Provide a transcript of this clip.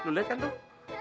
waduh lu liat kan tuh